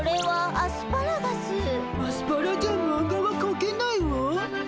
アスパラじゃマンガはかけないわ。